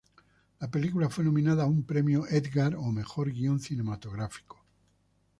La película fue nominada a un Premio Edgar a Mejor Guión Cinematográfico.